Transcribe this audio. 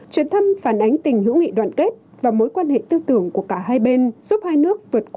chuyến thăm phản ánh tình hữu nghị đoàn kết và mối quan hệ tư tưởng của cả hai bên giúp hai nước vượt qua mọi trở ngại